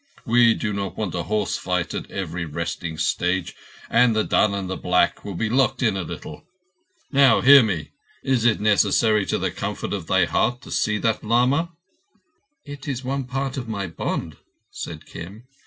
We do not want a horse fight at every resting stage, and the dun and the black will be locked in a little ... Now hear me. Is it necessary to the comfort of thy heart to see that lama?" "It is one part of my bond," said Kim.